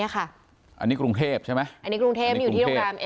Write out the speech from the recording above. คนนี้กรุงเทพใช่ไหม